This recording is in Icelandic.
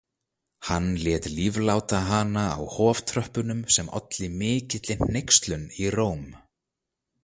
Hann lét lífláta hana á hoftröppunum sem olli mikilli hneykslun í Róm.